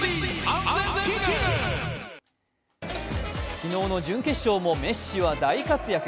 昨日の準決勝もメッシは大活躍。